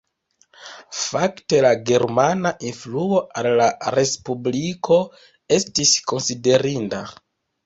Fakte la germana influo al la respubliko estis konsiderinda.